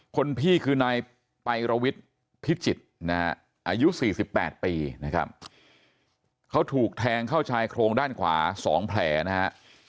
คนพี่คือนายไประวิทย์พิจิตรนะฮะอายุ๔๘ปีนะครับเขาถูกแทงเข้าชายโครงด้านขวา๒แผลนะฮะ